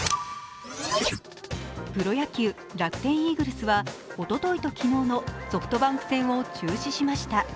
プロ野球・楽天イーグルスはおとといと昨日のソフトバンク戦を中止しました。